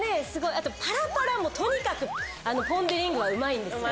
あとパラパラもとにかくポンデリングはうまいんです。